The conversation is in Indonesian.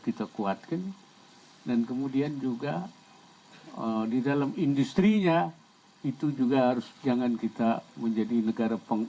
kita kuatkan dan kemudian juga di dalam industri nya itu juga harus jangan kita menjadi negara